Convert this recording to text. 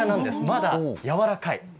まだやわらかい。